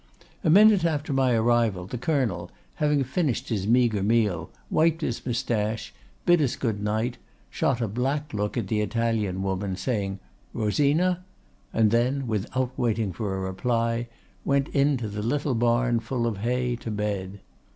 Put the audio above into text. A minute after my arrival the colonel, having finished his meagre meal, wiped his moustache, bid us good night, shot a black look at the Italian woman, saying, 'Rosina?' and then, without waiting for a reply, went into the little barn full of hay, to bed.